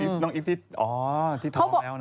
น้องอีฟที่อ๋อที่ท้องแล้วนะ